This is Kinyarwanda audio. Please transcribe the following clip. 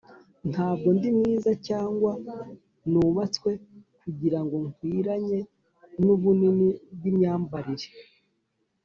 ntabwo ndi mwiza cyangwa nubatswe kugirango nkwiranye nubunini bwimyambarire